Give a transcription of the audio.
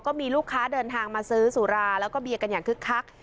ก็มีลูกค้าเดินทางมาซื้อสุราแล้วก็เบียร์กันอย่างคึกคัก